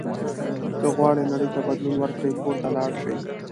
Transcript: که غواړئ نړۍ ته بدلون ورکړئ کور ته لاړ شئ.